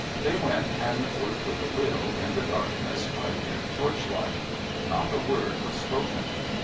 They went, and worked with a will, in the darkness, by dim torchlight. Not a word was spoken.